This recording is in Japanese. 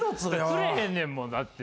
釣れへんねんもんだって。